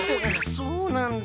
そうなんだ。